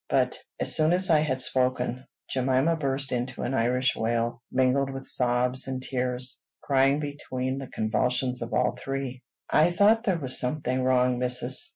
But, as soon as I had spoken, Jemima burst into an Irish wail, mingled with sobs and tears, crying between the convulsions of all three, I thought there was something wrong, mis'ess.